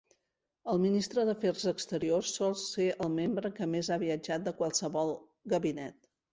El ministre d'Afers Exteriors sol ser el membre que més ha viatjat de qualsevol gabinet.